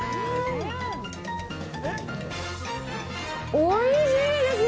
おいしいですね